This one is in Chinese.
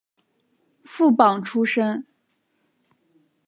副榜出身。